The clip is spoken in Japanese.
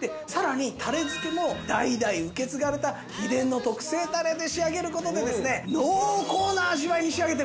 でさらにたれ付けも代々受け継がれた秘伝の特製たれで仕上げる事でですね濃厚な味わいに仕上げているんです！